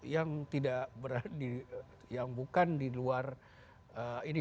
yang tidak berani yang bukan di luar ini